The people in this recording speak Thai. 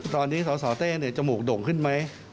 ตอนนี้สตเต้เนี่ยจมูกโด่งขึ้นไหม